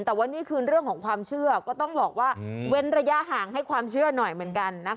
แต่ว่านี่คือเรื่องของความเชื่อก็ต้องบอกว่าเว้นระยะห่างให้ความเชื่อหน่อยเหมือนกันนะคะ